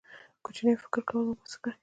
کوچنی فکر کول مو بس کړئ.